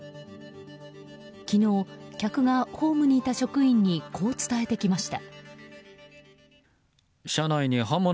昨日、客がホームにいた職員にこう伝えてきました。